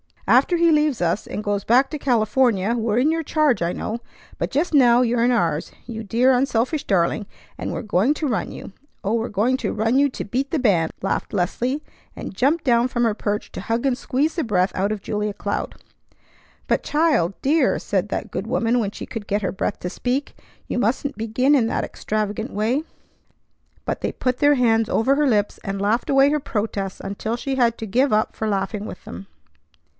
After he leaves us and goes back to California we're in your charge, I know; but just now you're in ours, you dear, unselfish darling; and we're going to run you. Oh, we're going to run you to beat the band!" laughed Leslie, and jumped down from her perch to hug and squeeze the breath out of Julia Cloud. "But child! Dear!" said that good woman when she could get her breath to speak. "You mustn't begin in that extravagant way!" But they put their hands over her lips, and laughed away her protests until she had to give up for laughing with them.